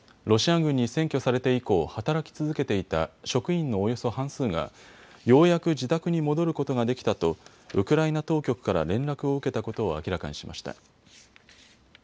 ロシア軍に占拠されて以降働き続けていた職員のおよそ半数がようやく自宅に戻ることができたとウクライナ当局から連絡を受けたことを明らかにしました。